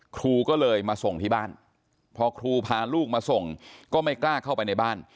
ครูก็เลยมาส่งที่บ้านพอครูพาลูกมาส่งก็ไม่กล้าเข้าไปในบ้าน